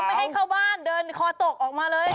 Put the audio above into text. ไม่ให้เข้าบ้านเดินคอตกออกมาเลย